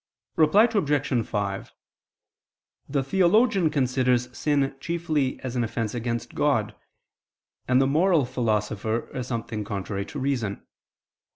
Reply Obj. 5: The theologian considers sin chiefly as an offense against God; and the moral philosopher, as something contrary to reason.